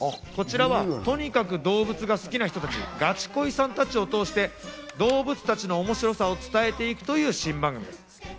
こちらはとにかく動物が好きな人たち、ガチ恋さんたちを通して動物たちの面白さを伝えていくという新番組です。